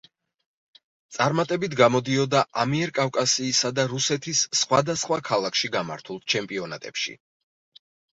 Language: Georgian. წარმატებით გამოდიოდა ამიერკავკასიისა და რუსეთის სხვადასხვა ქალაქში გამართულ ჩემპიონატებში.